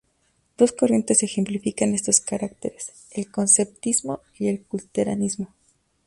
Dos corrientes ejemplifican estos caracteres: el conceptismo y el culteranismo.